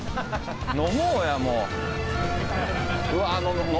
飲もうや、もう。